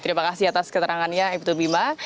terima kasih atas keterangannya ibtu bima